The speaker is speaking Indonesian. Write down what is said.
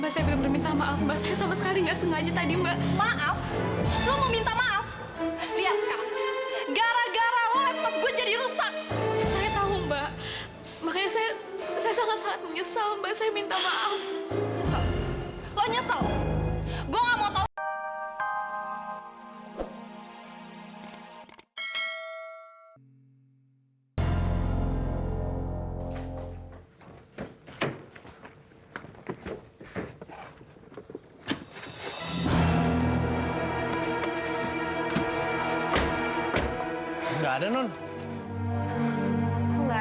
sampai jumpa di video selanjutnya